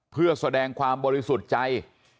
เพื่อแสดงความบริสุทธิ์ใจ